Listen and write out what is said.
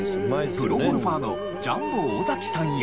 プロゴルファーのジャンボ尾崎さんや。